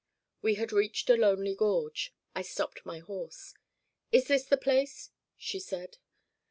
We had reached a lonely gorge. I stopped my horse. "Is this the place?" she said.